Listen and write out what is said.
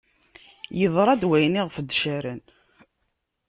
Yeḍra-d wayen iɣef i d-caren.